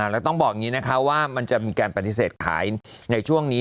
แล้วต้องบอกอย่างนี้นะคะว่ามันจะมีการปฏิเสธขายในช่วงนี้